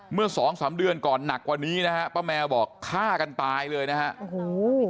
เมื่อสองสามเดือนก่อนหนักกว่านี้นะฮะป้าแมวบอกฆ่ากันตายเลยนะฮะโอ้โห